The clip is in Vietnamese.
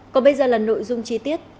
còn bây giờ là nội dung chi tiết